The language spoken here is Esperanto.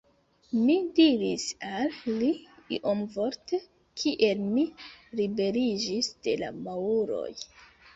Mi diris al li iomvorte, kiel mi liberiĝis de la Maŭroj.